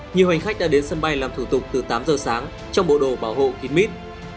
nhiều hành khách đã đến sân bay làm thủ tục từ tám giờ sáng trong bộ đồ bảo hộ kín mít